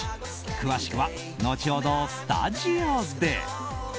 詳しくは後ほどスタジオで。